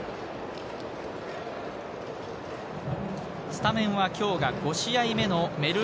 スタメンは今日が５試合目のメル